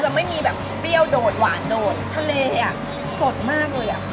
ไม่มีแบบเปรี้ยวโดดหวานโดดทะเลอ่ะสดมากเลยอ่ะ